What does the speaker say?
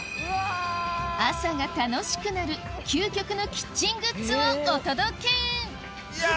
朝が楽しくなる究極のキッチングッズをお届けいや！